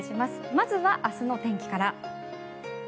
まずは明日の天気から。